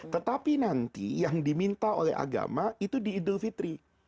tetapi nanti yang diminta oleh agama itu diidul fitri